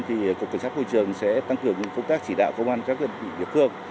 cục cảnh sát hội trường sẽ tăng cường công tác chỉ đạo công an các địa phương